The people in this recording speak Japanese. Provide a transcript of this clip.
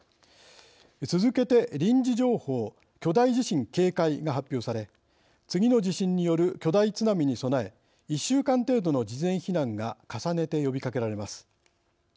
続けて「臨時情報」が発表され次の地震による巨大津波に備え１週間程度の事前避難が重ねて呼びかけられます。